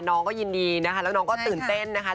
น้องก็ยินดีนะคะแล้วน้องก็ตื่นเต้นนะคะ